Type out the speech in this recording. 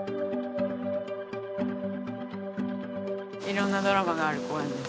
いろんなドラマがある公園です。